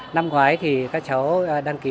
năm ngoái thì các cháu đăng ký